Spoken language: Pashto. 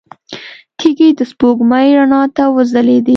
تيږې د سپوږمۍ رڼا ته وځلېدې.